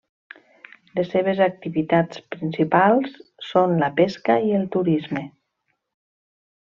Les seves activitats principals són la pesca i el turisme.